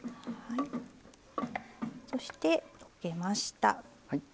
そして溶けました。